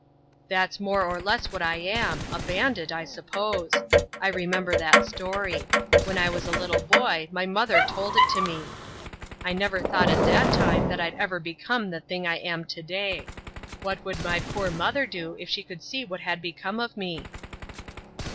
"That's more or less what I am a bandit, I suppose. I remember that story. When I was a little boy my mother told it to me. I never thought at that time that I'd ever become the thing I am today. What would my poor mother do if she could see what had become of me?"